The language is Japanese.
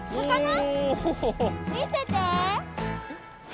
見せて。